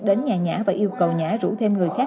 đến nhà nhã và yêu cầu nhã rủ thêm người khác